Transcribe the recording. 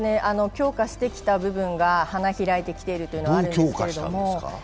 強化してきた部分が花開いてきた部分はあるんですけれども。